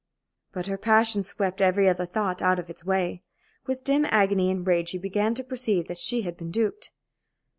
But her passion swept every other thought out of its way. With dim agony and rage she began to perceive that she had been duped.